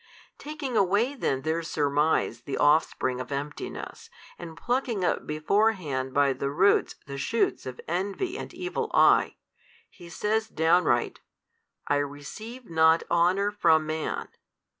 Taking away then their surmise the offspring of emptiness, and plucking up beforehand by the roots the shoots of envy and evil eye, He says downright, I receive not honour from man.